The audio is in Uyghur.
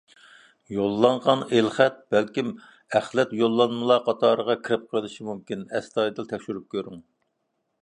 يوللانغان ئېلخەت بەلكىم ئەخلەت يوللانمىلار قاتارىغا كىرىپ قېلىشى مۇمكىن، ئەستايىدىل تەكشۈرۈپ كۆرۈڭ.